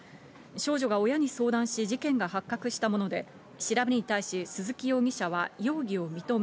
少女が親に相談し、事件が発覚したもので、調べに対し鈴木容疑者は容疑を認め、